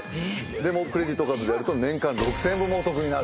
でもクレジットカードでやると年間６，０００円もお得になる。